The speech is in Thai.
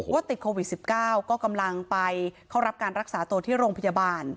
ติดโควิด๑๙ก็กำลังไปเข้ารับการรักษาตัวที่โรงพยาบาล